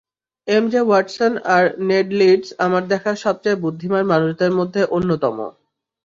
এমজে Watson আর Ned Leeds আমার দেখা সবচেয়ে বুদ্ধিমান মানুষদের মধ্যে অন্যতম।